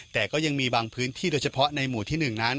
แต่ก็ยังมีบางพื้นที่โดยเฉพาะในหมู่ที่๑นั้น